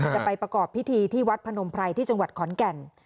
จะไปประกอบพิธีที่วัดพนมไพรที่จังหวัดขอนแก่น